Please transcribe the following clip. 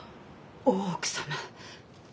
大奥様。